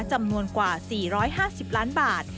จำนวนกว่า๔๕๐ล้านบาท